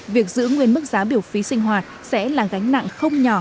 việc giữ nguyên mức giá biểu phí sinh hoạt sẽ là gánh nặng không nhỏ